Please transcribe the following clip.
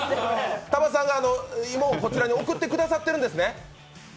田畑さんが、芋をこちらに送ってくださってるんですね？